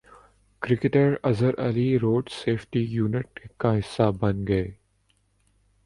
cricketer Azhar Ali road safety unit کا حصہ بن گئے